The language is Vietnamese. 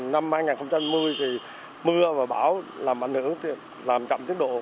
năm hai nghìn hai mươi thì mưa và bão làm ảnh hưởng làm chậm tiến độ